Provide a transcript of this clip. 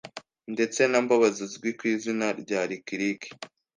ndetse na Mbabazi uzwi ku izina rya Lick Lick